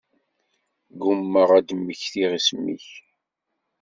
Ggummaɣ ad mmektiɣ isem-ik.